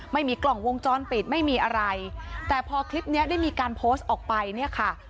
ไม่มีกล่องวงจรปิดไม่มีอะไรแต่พอคลิปเนี้ยได้มีการโพสต์ออกไปเนี่ยค่ะ